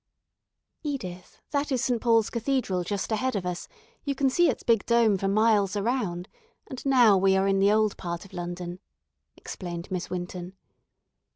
"Edith, that is St. Paul's Cathedral just ahead of us; you can see its big dome for miles around, and now we are in the old part of London," explained Miss Winton.